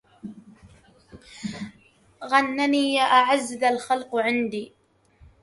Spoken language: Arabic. غنني يا أعز ذا الخلق عندي